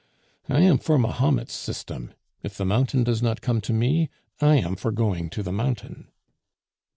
I am for Mahomet's system if the mountain does not come to me, I am for going to the mountain."